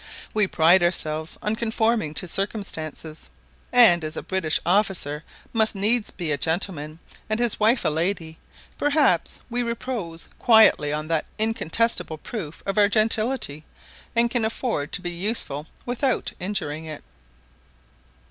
We pride ourselves on conforming to circumstances; and as a British officer must needs be a gentleman and his wife a lady, perhaps we repose quietly on that incontestable proof of our gentility, and can afford to be useful without injuring it.